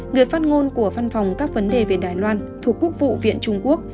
người phát ngôn của văn phòng các vấn đề về đài loan thuộc quốc vụ viện trung quốc